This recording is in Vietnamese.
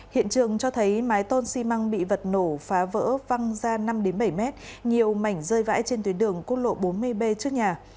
hiện trường cho thấy mái tôn xi măng bị vật nổ phá vỡ văng ra năm bảy mét nhiều mảnh rơi vãi trên tuyến đường quốc lộ bốn mươi b trước nhà